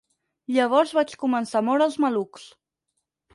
Llavors vaig començar a moure els malucs.